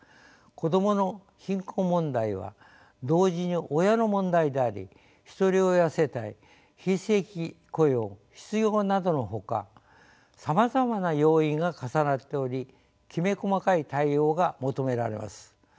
子どもの貧困問題は同時に親の問題であり一人親世帯非正規雇用失業などのほかさまざまな要因が重なっておりきめ細かい対応が求められます。